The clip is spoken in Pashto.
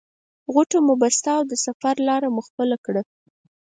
غوټه مو بسته او د سفر لاره مو خپله کړه.